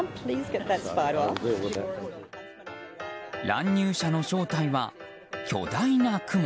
乱入者の正体は巨大なクモ。